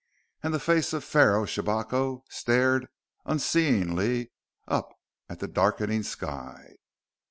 And the face of Pharaoh Shabako stared unseeingly up at the darkening sky....